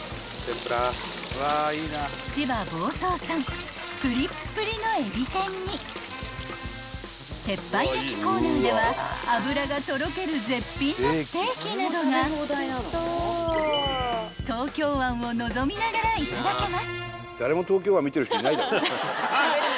［千葉房総産ぷりっぷりの海老天に鉄板焼きコーナーでは脂がとろける絶品のステーキなどが東京湾を望みながらいただけます］